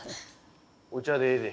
お茶でええで。